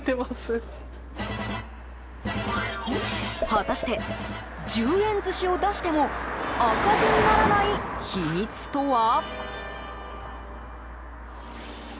果たして１０円寿司を出しても赤字にならない秘密とは？